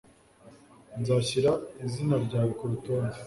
Nzashyira izina ryawe kurutonde.